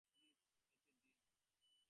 Please, যেতে দিন।